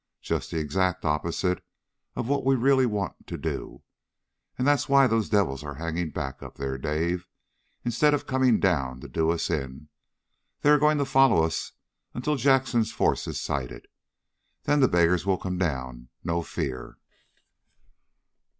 Just the exact opposite of what we really want to do. And that's why those devils are hanging back up there, Dave, instead of coming down to do us in. They are going to follow us until Jackson's force is sighted. Then the beggars will come down, no fear!"